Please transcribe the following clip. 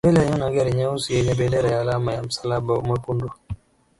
Mbele aliona gari nyeusi yenye bendera ya alama ya msalaba mwekundu